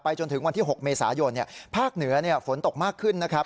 จนถึงวันที่๖เมษายนภาคเหนือฝนตกมากขึ้นนะครับ